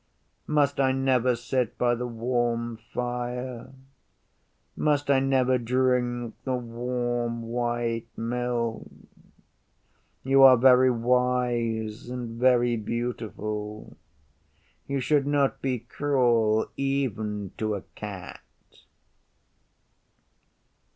Must I never sit by the warm fire? Must I never drink the warm white milk? You are very wise and very beautiful. You should not be cruel even to a Cat.